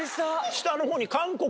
下の方に。